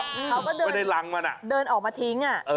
เขาก็เดินไปในรังมันเดินออกมาทิ้ง